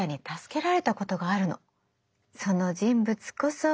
その人物こそ。